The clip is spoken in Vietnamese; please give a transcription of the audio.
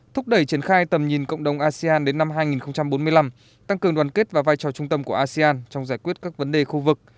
thúc đẩy triển khai tầm nhìn cộng đồng asean đến năm hai nghìn bốn mươi năm tăng cường đoàn kết và vai trò trung tâm của asean trong giải quyết các vấn đề khu vực